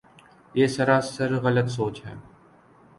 یہ سراسر غلط سوچ ہے۔